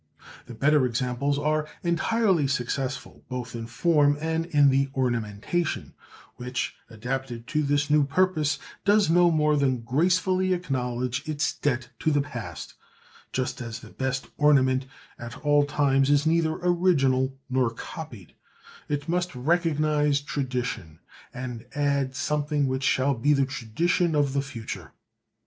The better examples are entirely successful, both in form and in the ornamentation, which, adapted to this new purpose, does no more than gracefully acknowledge its debt to the past, just as the best ornament at all times is neither original nor copied: it must recognise tradition, and add something which shall be the tradition of the future.